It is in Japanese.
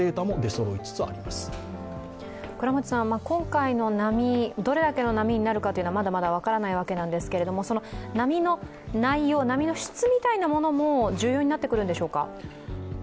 今回の波、どれだけの波になるかはまだまだ分からないわけですけれども、波の内容、質みたいなものも重要になってくるんでしょうか？